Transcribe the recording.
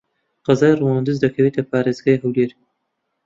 قەزای ڕەواندز دەکەوێتە پارێزگای هەولێر.